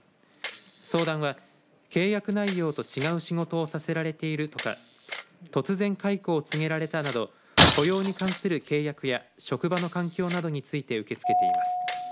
相談は、契約内容と違う仕事をさせられているとか突然解雇を告げられたなど雇用に関する契約や職場の環境などについて受け付けています。